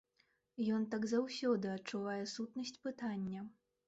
Ён так заўсёды адчувае сутнасць пытання!